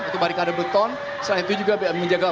selain itu juga menjaga